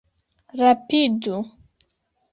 Rapidu!